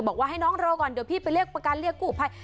บอกว่าให้น้องรอก่อนเดี๋ยวพี่ไปเรียกประกันเรียกกู้ภัย